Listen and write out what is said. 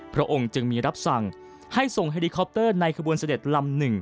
พระองค์จึงมีรับสั่งให้ส่งเฮลิคอปเตอร์ในขบวนเสด็จลำ๑